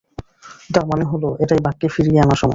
তার মানে হলো, এটাই বাককে ফিরিয়ে আনার সময়।